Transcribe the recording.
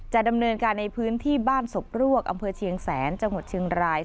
ดำเนินการในพื้นที่บ้านศพรวกอำเภอเชียงแสนจังหวัดเชียงราย